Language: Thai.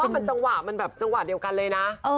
เพราะว่ามันจังหวะเดียวกันเลยนะ